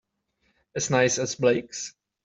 As nice as Blake's?